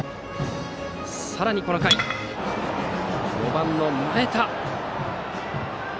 さらにこの回、４番の前田。